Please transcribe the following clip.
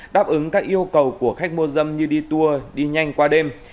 đáp ứng các yêu cầu của khách mua dâm như đi tour đi nhanh qua đêm